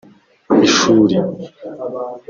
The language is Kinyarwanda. ishuri